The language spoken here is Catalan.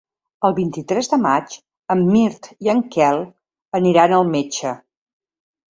El vint-i-tres de maig en Mirt i en Quel aniran al metge.